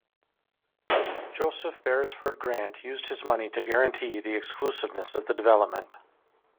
Joseph Beresford Grant used his money to guarantee the exclusiveness of the development.